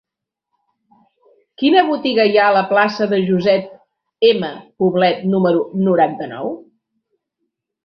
Quina botiga hi ha a la plaça de Josep M. Poblet número noranta-nou?